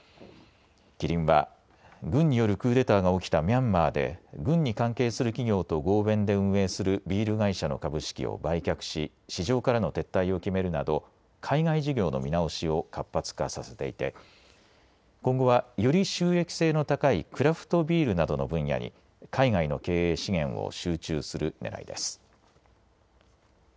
キリンは軍によるクーデターが起きたミャンマーで軍に関係する企業と合弁で運営するビール会社の株式を売却し市場からの撤退を決めるなど海外事業の見直しを活発化させていて今後は、より収益性の高いクラフトビールなどの分野に海外の経営資源を集中するねらいです。